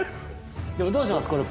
でもどうします？